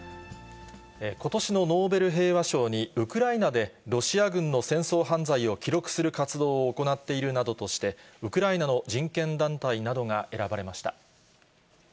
ことしのノーベル平和賞にウクライナでロシア軍の戦争犯罪を記録する活動を行っているなどとして、ウクライナの人権団体などが選ばれました。